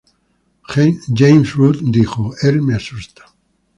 James Root dijo: "Él me asusta.